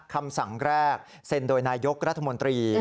คำสั่งแรกเซ็นโดยนายกรัฐมนตรี